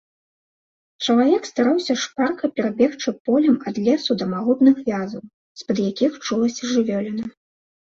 Чалавек стараўся шпарка перабегчы полем ад лесу да магутных вязаў, з-пад якіх чулася жывёліна.